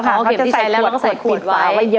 เขาเข็มที่ใช้แล้วแล้วเขาใส่ขวดไว้